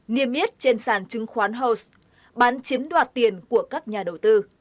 niêm yết trên sàn chứng khoán hos bán chiếm đoạt tiền của các nhà đầu tư